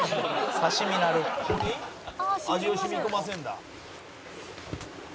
「味を染み込ませるんだ」